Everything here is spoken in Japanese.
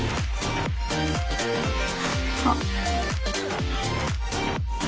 あっ。